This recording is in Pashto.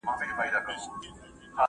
د ګولیو تش پاکټ د میز له سره لیرې کړل شو.